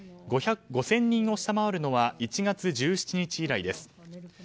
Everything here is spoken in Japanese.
５０００人を下回るのは１月１７日以来です。